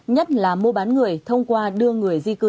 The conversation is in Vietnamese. nhất là mua bán người thông qua đưa người di cư